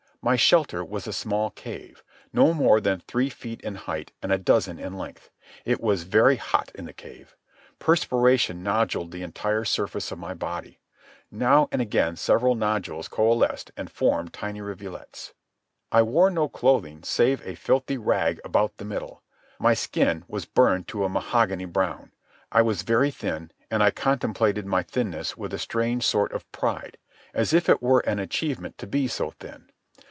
My shelter was a small cave, no more than three feet in height and a dozen in length. It was very hot in the cave. Perspiration noduled the entire surface of my body. Now and again several nodules coalesced and formed tiny rivulets. I wore no clothing save a filthy rag about the middle. My skin was burned to a mahogany brown. I was very thin, and I contemplated my thinness with a strange sort of pride, as if it were an achievement to be so thin.